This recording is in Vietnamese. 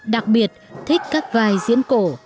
đặc biệt thích các vai diễn cổ